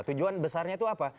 tujuan besarnya itu apa